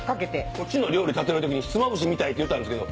こっちの料理食べてる時にひつまぶしみたいって言ったけど。